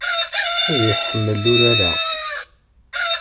Ad iḥemmel urar-a.